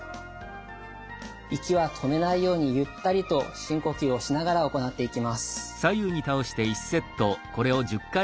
息は止めないようにゆったりと深呼吸をしながら行っていきます。